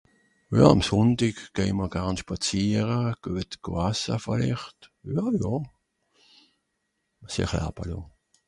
jà àm sundig geh mr garn spàziere guet gwasse (ver hert) ....